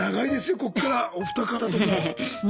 こっからお二方とも。